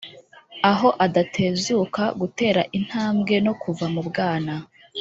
aho adatezuka gutera intambwe no kuva mu bwana